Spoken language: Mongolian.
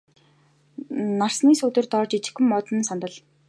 Нарсны сүүдэр дор жижигхэн модон сандал.